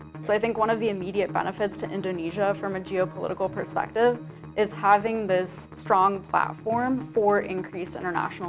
jadi saya pikir salah satu keuntungan terhadap indonesia dari perspektif geopolitik adalah memiliki platform yang kuat untuk indonesia